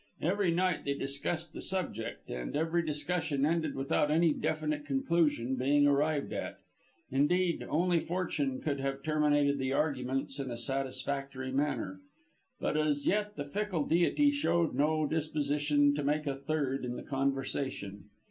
Every night they discussed the subject, and every discussion ended without any definite conclusion being arrived at. Indeed, only Fortune could have terminated the arguments in a satisfactory manner, but as yet the fickle deity showed no disposition to make a third in the conversation.